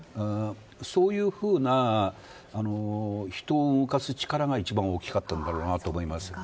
そういうふうな人を動かす力が一番大きかったと思います。